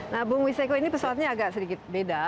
nah bung wiseko ini pesawatnya agak sedikit beda